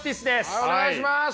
はいお願いします。